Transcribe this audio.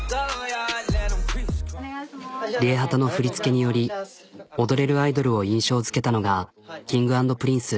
ＲＩＥＨＡＴＡの振り付けにより踊れるアイドルを印象づけたのがＫｉｎｇ＆Ｐｒｉｎｃｅ。